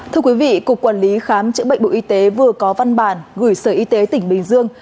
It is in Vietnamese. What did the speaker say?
thưa quý vị cục quản lý khám chữa bệnh bộ y tế vừa có văn bản gửi sở y tế tỉnh bình dương